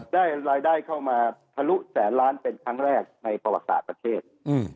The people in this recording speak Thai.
ได้รายได้เข้ามาทะลุแสนล้านเป็นครั้งแรกในประวัติศาสตร์ประเทศ